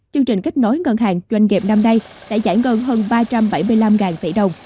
chương trình kết nối ngân hàng doanh nghiệp năm nay đã giải ngân hơn ba trăm bảy mươi năm tỷ đồng